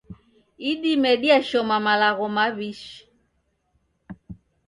Idime diashoma malagho mawi'shi.